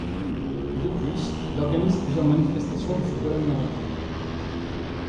De plus, il organise plusieurs manifestations de football américain.